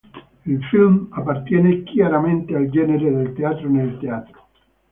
Il film appartiene chiaramente al genere del teatro nel teatro.